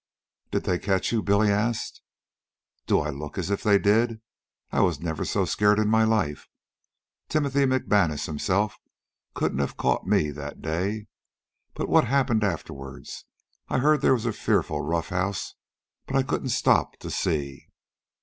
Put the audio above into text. "Did they catch you?" Billy asked. "Do I look as if they did? I was never so scared in my life. Timothy McManus himself couldn't have caught me that day. But what happened afterward? I heard they had a fearful roughhouse, but I couldn't stop to see."